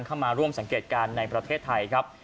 เข้ามาร่วมสังเกตการณ์ในประเทศไทยครับ